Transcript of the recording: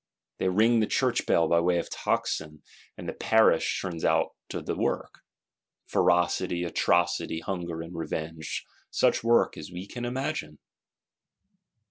They ring the Church bell by way of tocsin: and the Parish turns out to the work. Ferocity, atrocity; hunger and revenge: such work as we can imagine!